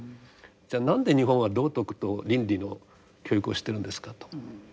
じゃあ何で日本は道徳と倫理の教育をしてるんですかと。